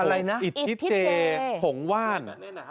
อะไรนะอิทธิเจหงว่าน